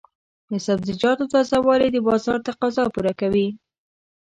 د سبزیجاتو تازه والي د بازار تقاضا پوره کوي.